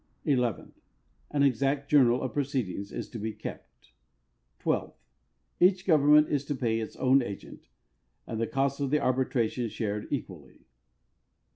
Eleventh. An exact journal of proceedings is to be kept. Twelfth. Each government is to pay its own agent, and the cost of the arbitration shared equally.